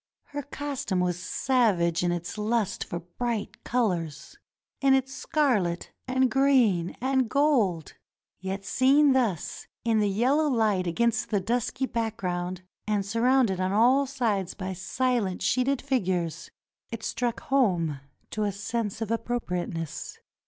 Her costume was savage in its lust for bright colors — in its scarlet, and green, and gold; yet seen thus in the yellow light against the dusky background and surrounded on all sides by silent sheeted figures, it struck home to a sense of appropriateness.